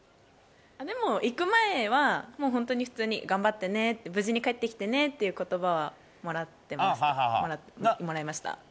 でも、行く前は本当に普通に頑張ってねって無事に帰ってきてねっていう言葉はもらいました。